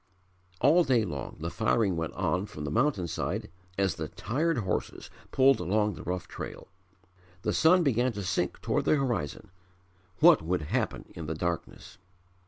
All day long the firing went on from the mountain side as the tired horses pulled along the rough trail. The sun began to sink toward the horizon. What would happen in the darkness?